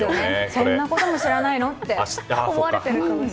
そんなことも知らないのって思われてるかも。